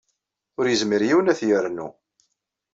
Ur yezmir yiwen ad t-yernu.